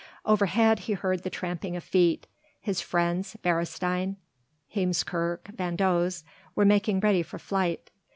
Overhead he heard the tramping of feet, his friends Beresteyn, Heemskerk, van Does were making ready for flight.